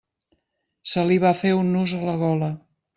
Se li va fer un nus a la gola.